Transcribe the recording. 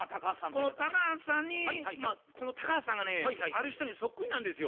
この高橋さんにこの高橋さんがねある人にそっくりなんですよ。